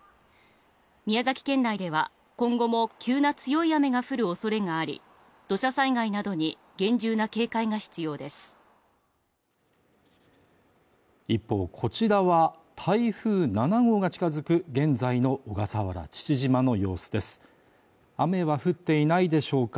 宮崎県内では今後も急な強い雨が降るおそれがあり土砂災害などに厳重な警戒が必要です一方こちらは台風７号が近づく現在の小笠原父島の様子です雨は降っていないでしょうか